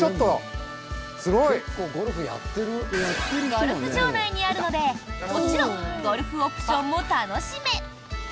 ゴルフ場内にあるのでもちろんゴルフオプションも楽しめ。